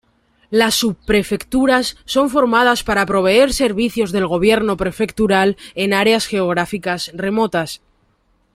Las subprefecturas son formadas para proveer servicios del gobierno prefectural en áreas geográficas remotas.